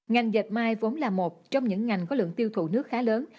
ngành dẹp mây vốn là một trong những ngành có lượng tiêu thụ nước khá lớn